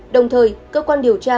đồng thời cơ quan điều tra